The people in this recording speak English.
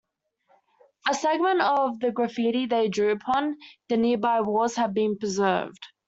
A segment of the graffiti they drew upon the nearby walls has been preserved.